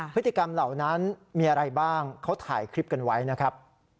พฤติกรรมเหล่านั้นมีอะไรบ้างเขาถ่ายคลิปกันไว้นะครับ